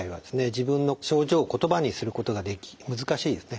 自分の症状を言葉にすることが難しいですね。